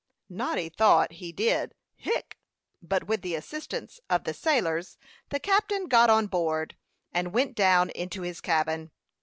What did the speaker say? Noddy thought he did "hic;" but with the assistance of the sailors, the captain got on board, and went down into his cabin.